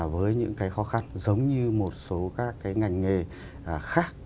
với những cái khó khăn giống như một số các cái ngành nghề khác